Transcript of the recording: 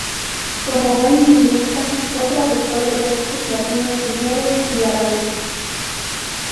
Como buen lingüista, fue traductor de textos latinos, griegos y árabes.